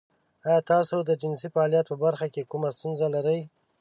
ایا تاسو د جنسي فعالیت په برخه کې کومه ستونزه لرئ؟